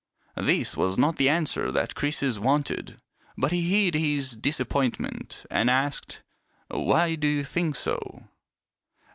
This was not the answer that Croesus wanted ; but he hid his disappointment and asked, " Why do you think so